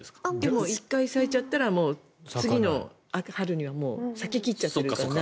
でも１回咲いちゃったら次の春にはもう咲き切っちゃっているから。